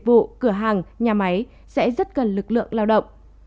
các tỉnh dịch vụ cửa hàng nhà máy sẽ rất gần lực lượng lao động